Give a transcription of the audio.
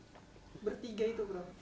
bertiga itu berapa